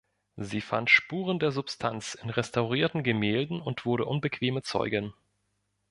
Sie fand Spuren der Substanz in restaurierten Gemälden und wurde unbequeme Zeugin.